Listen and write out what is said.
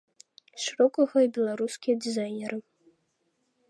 Шырокага і беларускія дызайнеры.